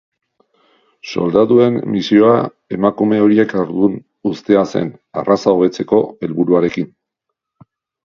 Soldaduen misioa emakume horiek haurdun uztea zen, arraza hobetzeko helburuarekin.